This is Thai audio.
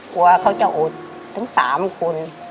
กลัวเขาจะอดทั้ง๓คน